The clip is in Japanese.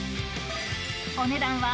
［お値段は］